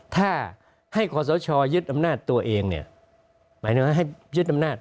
ถ้าให้คอสชยึดอำนาจตัวเองเนี่ยหมายถึงว่าให้ยึดอำนาจ